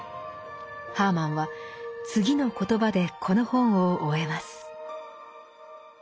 ハーマンは次の言葉でこの本を終えます。